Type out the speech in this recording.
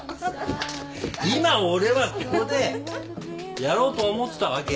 今俺はここでやろうと思ってたわけ。